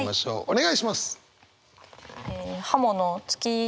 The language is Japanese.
お願いします。